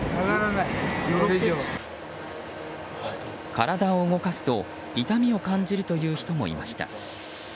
体を動かすと痛みを感じるという人もいました。